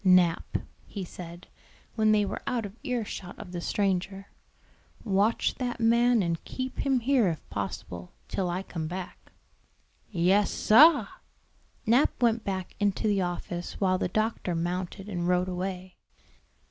"Nap," he said, when they were out of ear shot of the stranger, "watch that man and keep him here if possible, till I come back." "Yes, sah." Nap went back into the office while the doctor mounted and rode away.